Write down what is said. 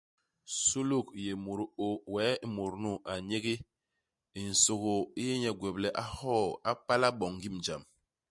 Suluk i yé mut i ôô, wee i mut nu a nyégi, nsôgôô i yé nye i gwep le a hoo a pala boñ ngim jam.